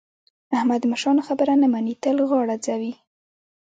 احمد د مشرانو خبره نه مني؛ تل غاړه ځوي.